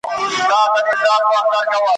خان هم توره چلول هم توپکونه `